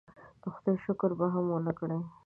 د خدای شکر به هم ونه کړي.